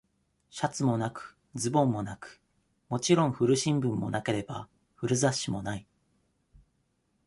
シャツもなく、ズボンもなく、もちろん古新聞もなければ、古雑誌もない。